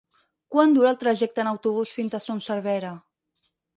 Quant dura el trajecte en autobús fins a Son Servera?